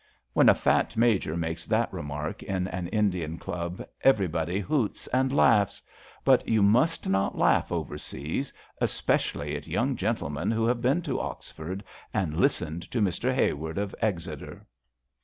When a fat Major makes that remark in an Indian Club, everybody hoots and laughs. But you must not laugh overseas, especially at young gentlemen who have been to Oxford and listened to Mr. Haward of Exeter.